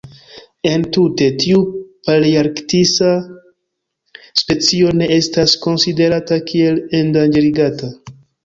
Entute, tiu palearktisa specio ne estas konsiderata kiel endanĝerigata.